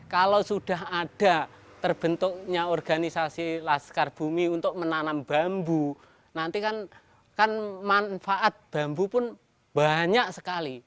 kalau sudah ada terbentuknya organisasi laskar bumi untuk menanam bambu nanti kan manfaat bambu pun banyak sekali